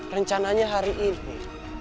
rencananya hari ini